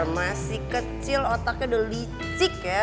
masih kecil otaknya udah licik ya